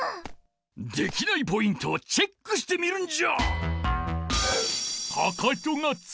できないポイントをチェックしてみるんじゃ！